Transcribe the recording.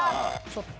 ちょっと。